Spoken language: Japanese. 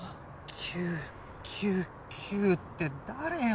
９９９って誰よ？